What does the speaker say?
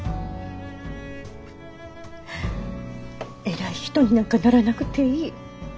偉い人になんかならなくていい。